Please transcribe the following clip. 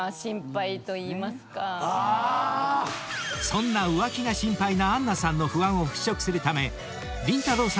［そんな浮気が心配な杏奈さんの不安を払拭するためりんたろー。